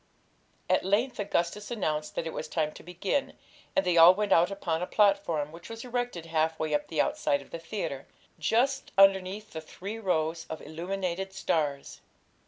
At length Augustus announced that it was time to begin, and they all went out upon a platform, which was erected half way up the outside of the theatre, just underneath the three rows of illuminated stars.